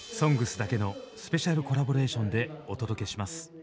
」だけのスペシャルコラボレーションでお届けします。